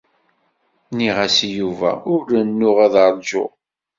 Nniɣ-as i Yuba ur rennuɣ ad ṛǧuɣ.